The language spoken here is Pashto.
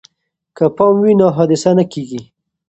که پام وي نو حادثه نه کیږي.